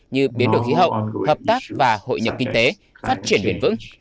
như biến đổi khí hậu hợp tác và hội nhập kinh tế phát triển bền vững